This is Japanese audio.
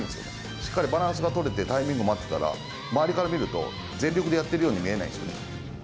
しっかりバランスがとれてタイミングもあってたら、周りから見ると、全力でやってるように見えないんですよね。